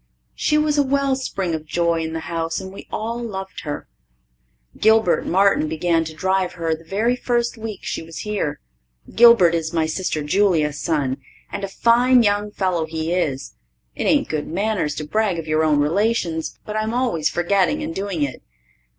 She was a well spring of joy in the house, and we all loved her. Gilbert Martin began to drive her the very first week she was here. Gilbert is my sister Julia's son, and a fine young fellow he is. It ain't good manners to brag of your own relations, but I'm always forgetting and doing it.